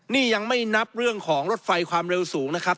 นี่ยังไม่นับเรื่องของรถไฟความเร็วสูงนะครับ